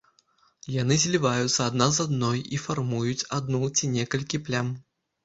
Яны зліваюцца адна з адной і фармуюць адну ці некалькі плям.